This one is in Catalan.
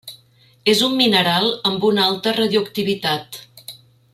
És un mineral amb una alta radioactivitat.